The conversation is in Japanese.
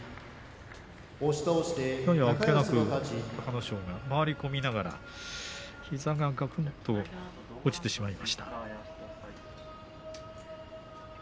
あっけなく隆の勝が回り込みながら膝ががくっと落ちてしまいました。